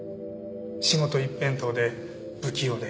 仕事一辺倒で不器用で。